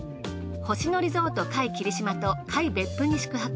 星野リゾート界霧島と界別府に宿泊。